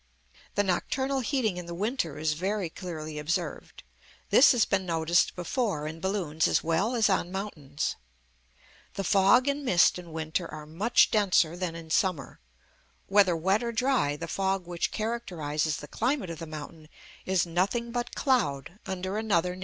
The nocturnal heating in the winter is very clearly observed. This has been noticed before in balloons as well as on mountains. The fog and mist in winter are much denser than in summer. Whether wet or dry, the fog which characterises the climate of the mountain is nothing but cloud under another name.